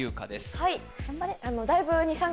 はい